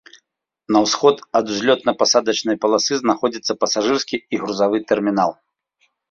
На ўсход ад узлётна-пасадачнай паласы знаходзіцца пасажырскі і грузавы тэрмінал.